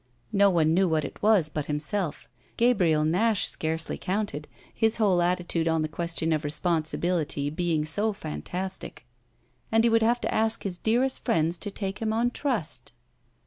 No one knew what it was but himself Gabriel Nash scarcely counted, his whole attitude on the question of responsibility being so fantastic and he would have to ask his dearest friends to take him on trust.